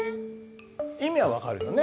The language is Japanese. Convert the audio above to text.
意味は分かるよね？